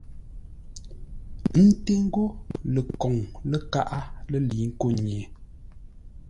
Ńté ńgó ləkoŋ-lə́kaʼá lə́ lə̌i nkô nye.